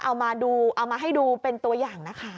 เอามาให้ดูเป็นตัวอย่างนะคะ